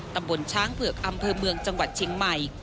ตำบลช้างเผือกอำเภอเมืองจังหวัดเชียงใหม่